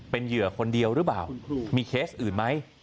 เป็นเหยื่อคนเดียวหรือเปล่ามีเคสอื่นไหม